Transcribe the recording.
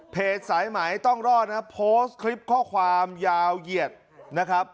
สายไหมต้องรอดนะครับโพสต์คลิปข้อความยาวเหยียดนะครับ